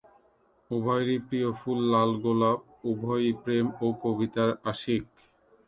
উভয়েরই প্রিয় ফুল লাল গোলাপ, উভয়ই প্রেম ও কবিতার আশিক।